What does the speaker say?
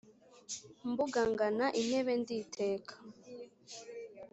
mbunga ngana intebe nditeka,